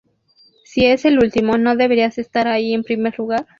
Si es el último, no deberías estar allí en primer lugar".